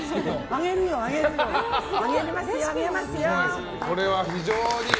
あげますよ！